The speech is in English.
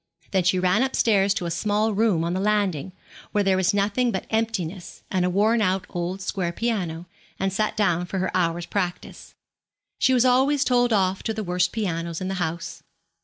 Then she ran upstairs to a small room on the landing, where there was nothing but emptiness and a worn out old square piano, and sat down for her hour's practice. She was always told off to the worst pianos in the house.